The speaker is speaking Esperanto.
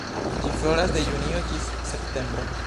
Ĝi floras de junio ĝis septembro.